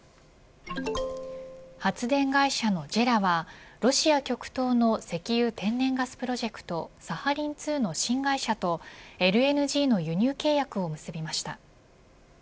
発電会社のＪＥＲＡはロシア極東の石油天然ガスプロジェクトサハリン２の新会社とＬＮＧの輸入契約を結びました。